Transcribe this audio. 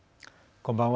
こんばんは。